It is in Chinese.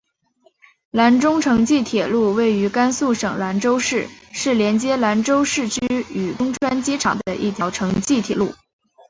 兰中城际铁路位于甘肃省兰州市是连接兰州市区与中川机场的一条城际铁路。